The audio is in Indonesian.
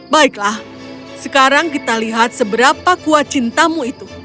baiklah sekarang kita lihat seberapa kuat cintamu itu